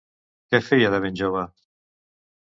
Què feia de ben jove?